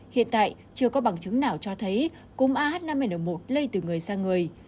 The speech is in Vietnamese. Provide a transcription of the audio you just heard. hiện tại chưa có bằng chứng nào cho thấy cúm ah năm n một lây từ người sang người